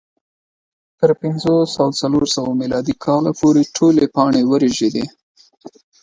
تر پنځوس او څلور سوه میلادي کاله پورې ټولې پاڼې ورژېدې